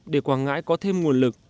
để quảng ngãi có thêm nguồn lực